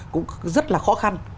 cũng rất là khó khăn